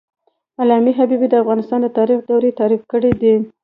علامه حبيبي د افغانستان د تاریخ دورې تعریف کړې دي.